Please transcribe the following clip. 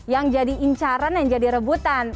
yang jadi incaran yang jadi rebutan